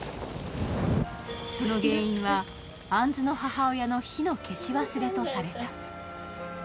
その原因は、杏子の母親の火の消し忘れとされた。